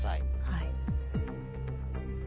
はい。